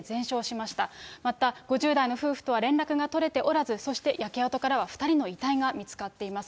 また、５０代の夫婦とは連絡が取れておらず、そして焼け跡からは２人の遺体が見つかっています。